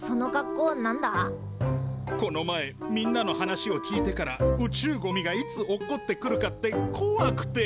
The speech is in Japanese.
この前みんなの話を聞いてから宇宙ゴミがいつ落っこってくるかってこわくて。